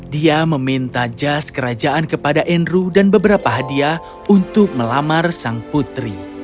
dia meminta jas kerajaan kepada andrew dan beberapa hadiah untuk melamar sang putri